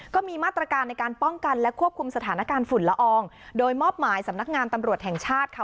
ก็มีมาตรการในการป้องกันและควบคุมสถานการณ์ฝุ่นละอองโดยมอบหมายสำนักงานตำรวจแห่งชาติค่ะ